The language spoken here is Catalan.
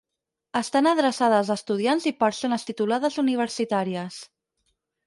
Estan adreçades a estudiants i persones titulades universitàries.